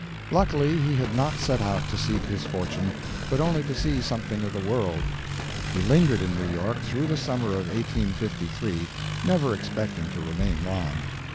Luckily, he had not set out to seek his fortune, but only to see something of the world. He lingered in New York through the summer of 1853, never expecting to remain long.